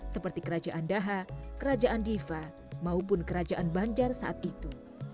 seperti kerajaan daha kerajaan diva maupun kerajaan bandar saat itu